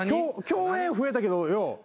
共演増えたけどよ